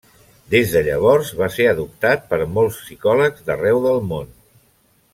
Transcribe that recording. Des de llavors va ser adoptat per molts psicòlegs d'arreu del món.